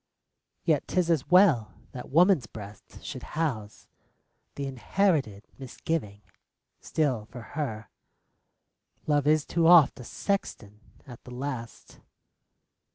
Yet 't is as well that woman's breast should house The inherited Misgiving. Still for her Love is too oft a sexton at the last.